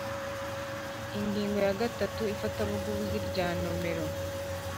Ingingo ya gatanu Ifatabuguzi rya nomero